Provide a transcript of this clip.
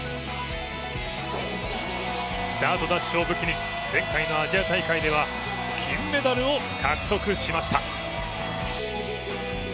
スタートダッシュを武器に前回のアジア大会では金メダルを獲得しました。